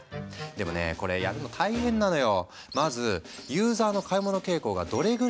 でもねこれやるの大変なのよ。